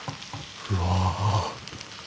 うわ。